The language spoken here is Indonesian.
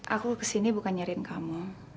aku kesini bukan nyariin kamu